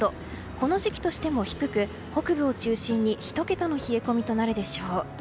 この時期としても低く北部を中心に、１桁の冷え込みとなるでしょう。